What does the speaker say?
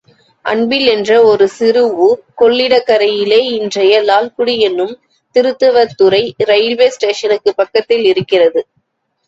அன்பில் என்ற ஒரு சிறு ஊர் கொள்ளிடகரையிலே இன்றைய லால்குடி என்னும் திருத்தவத்துறை ரயில்வே ஸ்டேஷனுக்குப் பக்கத்தில் இருக்கிறது.